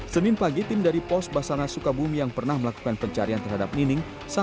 senin pagi tim dari pos basana sukabumi yang pernah melakukan pencarian terhadap nining